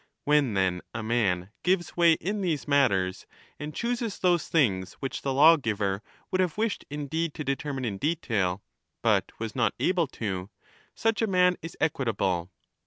When, then, a man gives way in these matters, and chooses those things which the lawgiver would have wished indeed to 30 determine in detail,^ but was not able to, such a man is equitable.